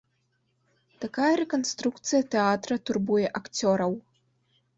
Такая рэканструкцыя тэатра турбуе акцёраў.